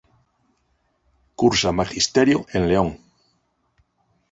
Cursa magisterio en León.